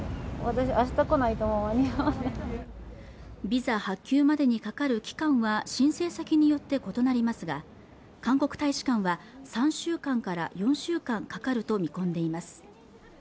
ビザ発給までにかかる期間は申請先によって異なりますが韓国大使館は３週間から４週間かかると見込んでいます